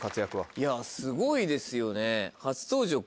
いやすごいですよね。